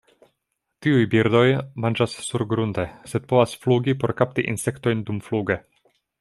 Tiuj birdoj manĝas surgrunde, sed povas flugi por kapti insektojn dumfluge.